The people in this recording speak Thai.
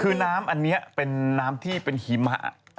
คือน้ำอันนี้เป็นน้ำที่เป็นหิมะ